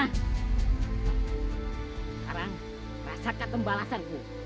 sekarang rasakan tembalasanku